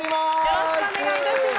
よろしくお願いします。